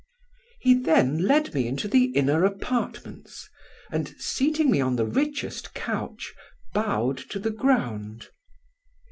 He then led me into the inner apartments, and seating me on the richest couch, bowed to the ground.